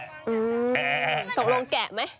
ตกลงแก่มั้ย